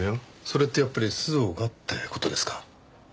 それってやっぱり須藤がって事ですか？